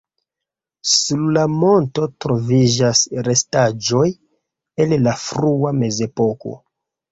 Sur la monto troviĝas restaĵoj el la frua mezepoko.